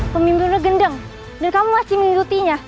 pemilu gendeng dan kamu masih mengikutinya